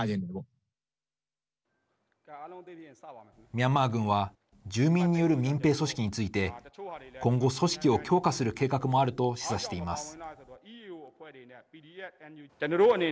ミャンマー軍は住民による民兵組織について今後、組織を強化する計画もあると示唆しています。